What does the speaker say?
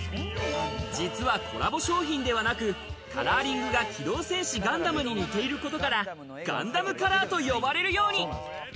実はコラボ商品ではなく、カラーリングが『機動戦士ガンダム』に似ていることから、ガンダムカラーと呼ばれるように。